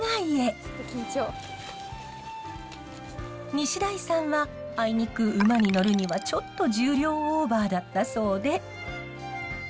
西代さんはあいにく馬に乗るにはちょっと重量オーバーだったそうで。